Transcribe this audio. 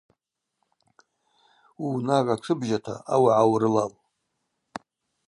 Уыунагӏва тшыбжьата аугӏа урылал.